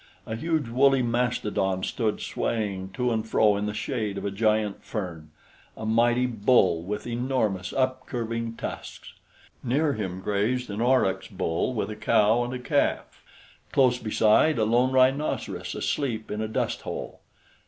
A huge woolly mastodon stood swaying to and fro in the shade of a giant fern a mighty bull with enormous upcurving tusks. Near him grazed an aurochs bull with a cow and a calf, close beside a lone rhinoceros asleep in a dust hole.